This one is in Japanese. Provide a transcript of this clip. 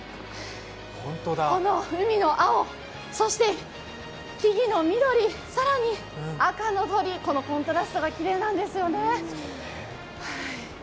この海の青、そして木々の緑、更に赤の鳥居、このコントラストがきれいなんですよね。